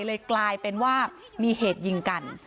เลยกลายเป็นว่ามีเหตุยิงกัน